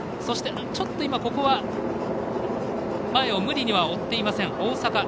そして、前を無理には追っていません、大阪。